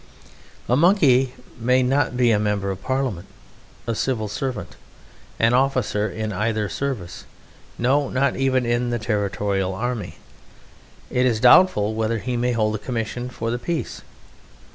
A Monkey may not be a Member of Parliament, a Civil Servant, an officer in either Service, no, not even in the Territorial Army. It is doubtful whether he may hold a commission for the peace.